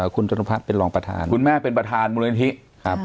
คุณจตุพัฒน์เป็นรองประธานคุณแม่เป็นประธานมูลนิธิครับ